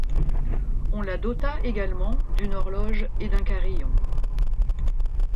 On la dota également d'une horloge et d'un carillon.